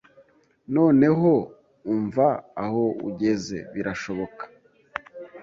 Noneho umva aho ugeze birashoboka?